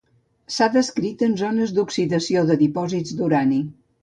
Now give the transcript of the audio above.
S’ha descrit en zones d’oxidació de dipòsits d’urani.